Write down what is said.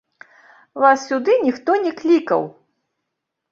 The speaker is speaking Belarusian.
Вас сюды ніхто не клікаў.